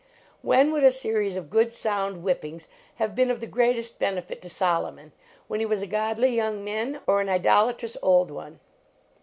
When would a series of good sound whippings have been of the greatest benefit to Solomon, when he was a godlv voung man, or an idolatrous old one?